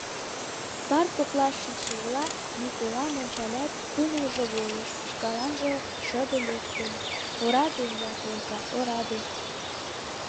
Парт коклаш шичшыжла, Миколам ончалят, кумылжо волыш, шкаланже шыде лекте: «Ораде улат, Ольга, ораде!